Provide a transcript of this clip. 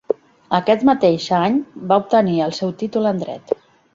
Aquest mateix any va obtenir el seu títol en Dret.